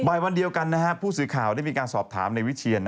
บ่ายวันเดียวกันผู้สือข่าวได้มีการสอบถามในวิทย์เชียร